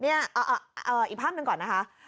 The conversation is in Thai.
อีกภาพนึงก่อน